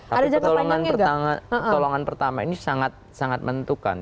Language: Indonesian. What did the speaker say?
tapi pertolongan pertama ini sangat sangat mentukan